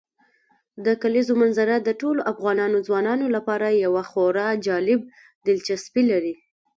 د کلیزو منظره د ټولو افغان ځوانانو لپاره یوه خورا جالب دلچسپي لري.